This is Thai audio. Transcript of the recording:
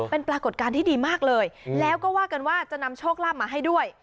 เป็นปรากฏการณ์ที่ดีมากเลยแล้วก็ว่ากันว่าจะนำโชคลาภมาให้ด้วย